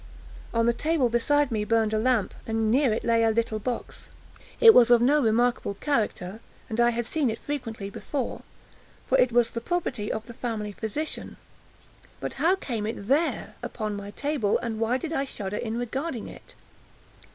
_" On the table beside me burned a lamp, and near it lay a little box. It was of no remarkable character, and I had seen it frequently before, for it was the property of the family physician; but how came it there, upon my table, and why did I shudder in regarding it?